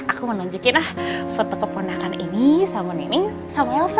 aku mau nunjukin lah foto keponakan ini sama nini sama elsa